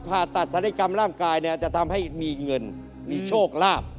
ผ่าตัดศัลยกรรมร่างกายเนี่ยจะทำให้มีเงินมีโชคลาภ